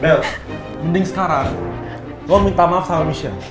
bella mending sekarang kamu minta maaf sama nisal